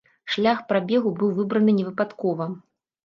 Шлях прабегу быў выбраны невыпадкова.